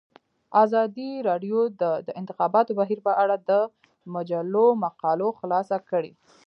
ازادي راډیو د د انتخاباتو بهیر په اړه د مجلو مقالو خلاصه کړې.